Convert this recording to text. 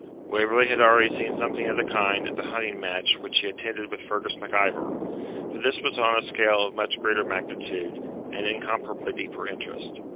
Waverley had already seen something of the kind at the hunting match which he attended with Fergus MacIvor; but this was on a scale of much greater magnitude, and incomparably deeper interest.